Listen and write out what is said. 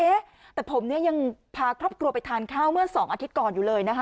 เอ๊ะแต่ผมเนี่ยยังพาครอบครัวไปทานข้าวเมื่อ๒อาทิตย์ก่อนอยู่เลยนะคะ